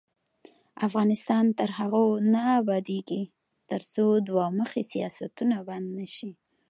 افغانستان تر هغو نه ابادیږي، ترڅو دوه مخي سیاستونه بند نشي.